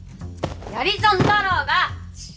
やり損だろうが！